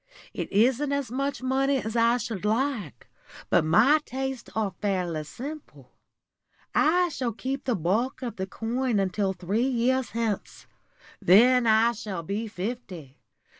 It isn't as much money as I should like, but my tastes are fairly simple. I shall keep the bulk of the coin until three years hence. Then I shall be fifty.